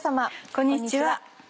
こんにちは。